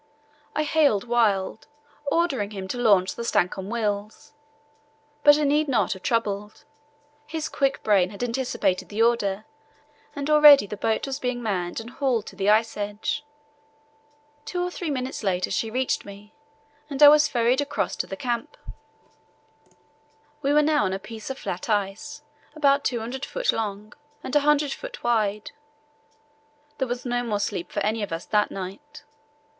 I hailed Wild, ordering him to launch the Stancomb Wills, but I need not have troubled. His quick brain had anticipated the order and already the boat was being manned and hauled to the ice edge. Two or three minutes later she reached me, and I was ferried across to the Camp. We were now on a piece of flat ice about 200 ft. long and 100 ft. wide. There was no more sleep for any of us that night.